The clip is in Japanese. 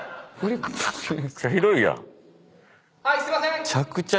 はいすいませーん。